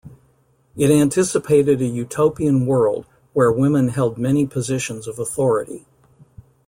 It anticipated a utopian world where women held many positions of authority.